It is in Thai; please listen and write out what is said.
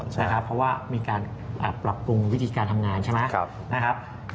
เพราะว่ามีการปรับปรุงวิธีการทำงานใช่ไหม